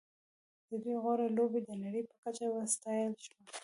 د دوی غوره لوبه د نړۍ په کچه وستایل شوه.